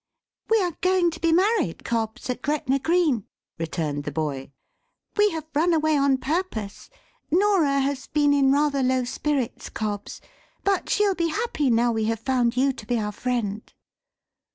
"We are going to be married, Cobbs, at Gretna Green," returned the boy. "We have run away on purpose. Norah has been in rather low spirits, Cobbs; but she'll be happy, now we have found you to be our friend."